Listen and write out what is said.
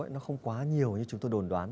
nó không quá nhiều như chúng tôi đồn đoán